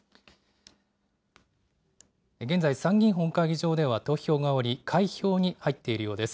現在、参議院本会議場では投票が終わり、開票に入っているようです。